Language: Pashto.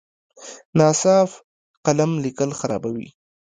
ناصاف قلم لیکل خرابوي.